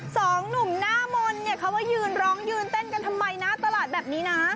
สองหนุ่มหน้ามนต์เนี่ยเขาว่ายืนร้องยืนเต้นกันทำไมหน้าตลาดแบบนี้นะ